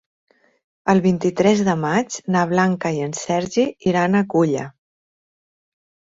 El vint-i-tres de maig na Blanca i en Sergi iran a Culla.